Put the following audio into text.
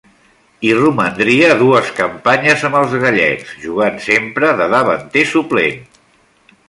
Hi romandria dues campanyes amb els gallecs, jugant sempre de davanter suplent.